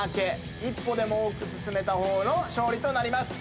一歩でも多く進めた方の勝利となります。